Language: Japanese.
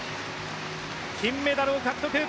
金メダルを獲得。